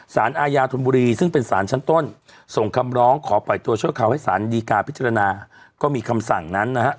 สารอาญาธนบุรีซึ่งเป็นสารชั้นต้นส่งคำร้องขอปล่อยตัวชั่วคราวให้สารดีการพิจารณาก็มีคำสั่งนั้นนะฮะ